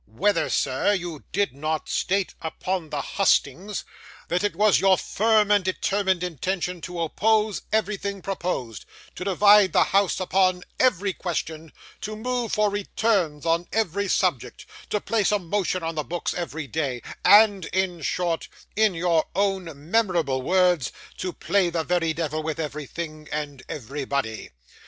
'Whether, sir, you did not state upon the hustings, that it was your firm and determined intention to oppose everything proposed; to divide the house upon every question, to move for returns on every subject, to place a motion on the books every day, and, in short, in your own memorable words, to play the very devil with everything and everybody?